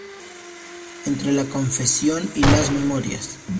Entre la confesión y las memorias".